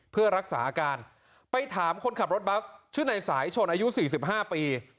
เพื่อรักษาอาการไปถามคนขับรถบัสชื่อในสายชนอายุ๔๕ปี